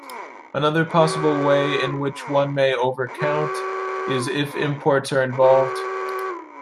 Another possible way in which one may over count is if imports are involved.